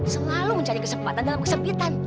selalu mencari kesempatan dalam kesempitan